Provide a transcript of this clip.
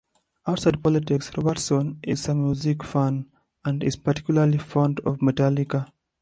Outside politics Robertson is a music fan, and is particularly fond of Metallica.